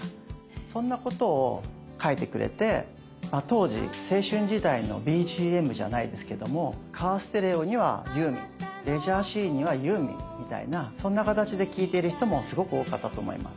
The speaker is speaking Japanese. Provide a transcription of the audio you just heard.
そんなことを書いてくれてまあ当時青春時代のＢＧＭじゃないですけどもカーステレオにはユーミンレジャーシーンにはユーミンみたいなそんな形で聞いてる人もすごく多かったと思います。